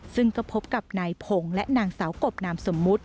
ซึ่งก็พบกับนายพงศ์และนางสาวกบนามสมมุติ